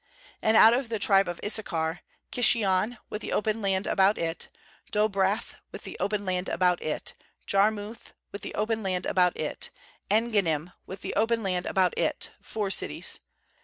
28And out of the tribe of Issachar, Kishion with the open land about it, Dob rath with the open land about it; 29Jarmuth with the open land about it, En gannim with the open land about it; four cities.